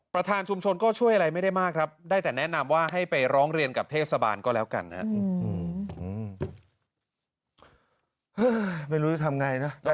ประธานชุมชนก็ช่วยอะไรไม่ได้มากครับได้แต่แนะนำว่าให้ไปร้องเรียนกับเทศบาลก็แล้วกันนะครับ